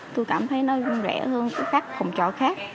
tôi cảm thấy nó rẻ hơn các phòng trọ khác